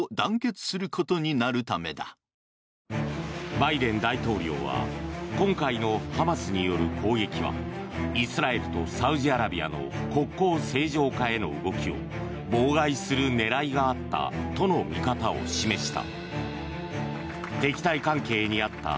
バイデン大統領は今回のハマスによる攻撃はイスラエルとサウジアラビアの国交正常化への動きを妨害する狙いがあったとの見方を示した。